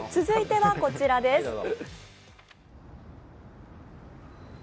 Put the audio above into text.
続いてはこちらです。